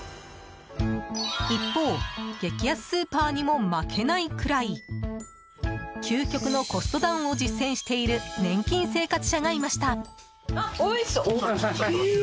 一方、激安スーパーにも負けないくらい究極のコストダウンを実践している年金生活者がいました。